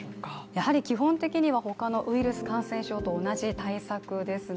やはり基本的には他のウイルス感染症と同じ対策ですね。